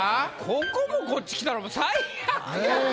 ここもこっちきたらもう最悪やで。